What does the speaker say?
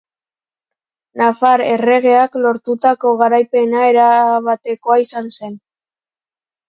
Nafar erregeak lortutako garaipena erabatekoa izan zen.